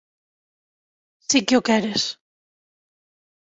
Si que o queres.